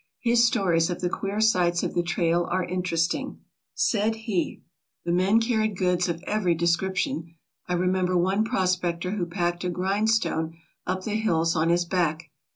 His stories of the queer sights of the trail are interesting. Said he: "The men carried goods of every description. I re member one prospector who packed a grindstone up the hills on his back.